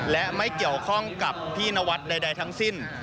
และไม่เกี่ยวข้องกับพี่นวัดใดทั้งสิ้น